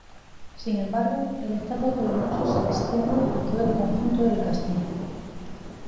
Sin embargo, el estado ruinoso se extiende a todo el conjunto del castillo.